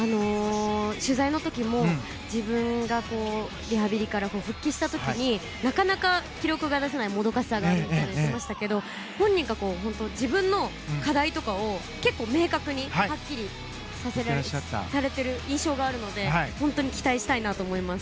取材の時も自分がリハビリから復帰した時になかなか記録が出せないもどかしさがあったって言ってましたが本人が自分の課題とかを結構、明確にはっきりされている印象があるので本当に期待したいなと思います。